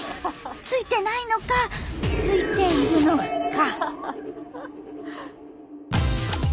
ついてないのかついているのか。